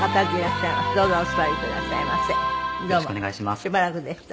しばらくでした。